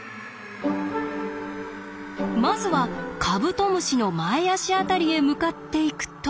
まずはカブトムシの前足辺りへ向かっていくと。